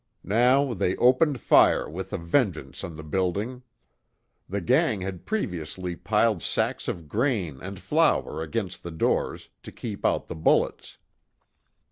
Now they opened fire with a vengeance on the building. The gang had previously piled sacks of grain and flour against the doors, to keep out the bullets.